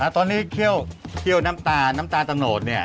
ตอนนี้เคี่ยวน้ำตาลน้ำตาลตะโนด